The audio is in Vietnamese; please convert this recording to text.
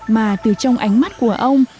mà từ trong ánh mắt của ông